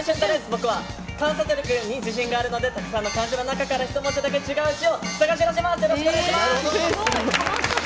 僕は観察力に自信があるのでたくさんの漢字の中で一文字だけ違う字を探し出します！